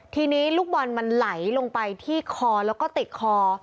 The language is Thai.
ทีนี้ลูกบอลมันไหลลงไปที่คอแล้วก็ติดคอ